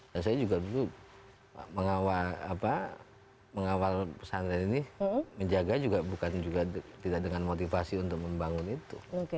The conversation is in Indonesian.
dan saya juga dulu mengawal pesan lain ini menjaga juga bukan juga tidak dengan motivasi untuk membangun itu